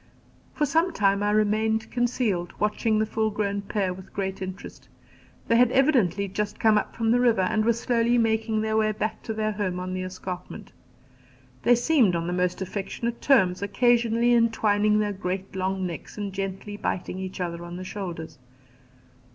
For some time I remained concealed, watching the full grown pair with great interest: they had evidently just come up from the river, and were slowly making their way back to their home on the escarpment. They seemed on the most affectionate terms, occasionally entwining their great long necks and gently biting each other on the shoulders.